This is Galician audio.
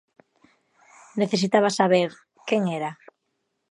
Necesitaba saber quen era.